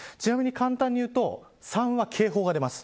簡単に言うと３は警報が出ます。